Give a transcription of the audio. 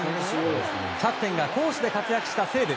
キャプテンが攻守で活躍した西武。